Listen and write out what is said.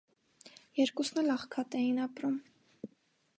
Երկուսն էլ աղքատ էին ապրում։